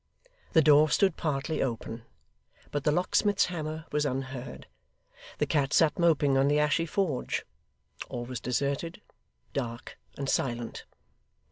The door stood partly open; but the locksmith's hammer was unheard; the cat sat moping on the ashy forge; all was deserted, dark, and silent.